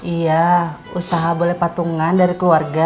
iya usaha boleh patungan dari keluarga